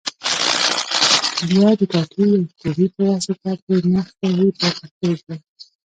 بیا د ټاټې یا کوبې په واسطه پرې نقش وهي په پښتو ژبه.